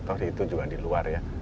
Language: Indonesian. toh itu juga diluar ya